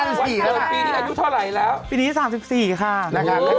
วันนี้ปวดฉี่กันทั้งทาน